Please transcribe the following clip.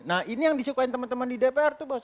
nah ini yang disukain teman teman di dpr itu bos